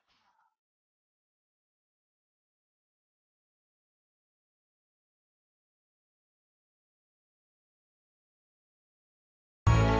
jadi jadi apa